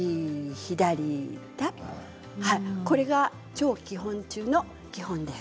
これが超基本中の基本です。